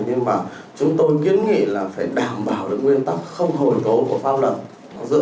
nhưng mà chúng tôi kiến nghị là phải đảm bảo được nguyên tắc không hồi tố của pháp luật